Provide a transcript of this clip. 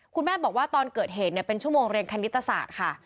คุณแม่บอกว่าตอนเกิดเหตุเป็นชั่วโมงเรียนคณิตศาสตร์ค่ะ